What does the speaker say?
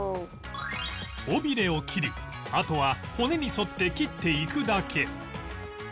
尾ビレを切りあとは骨に沿って切っていくだけ